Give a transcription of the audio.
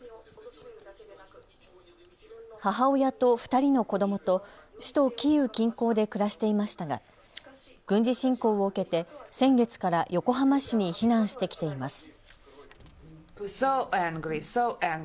母親と２人の子どもと首都キーウ近郊で暮らしていましたが軍事侵攻を受けて先月から横浜市に避難してきています。